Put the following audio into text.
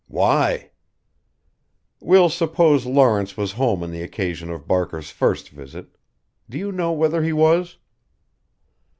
"Why?" "We'll suppose Lawrence was home on the occasion of Barker's first visit do you know whether he was?"